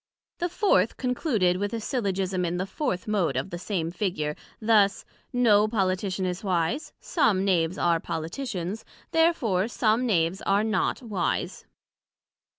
The Fourth concluded with a Syllogism in the fourth Mode of the same Figure, thus; No Politician is wise: some Knaves are Politicians, Therefore some Knaves are not wise.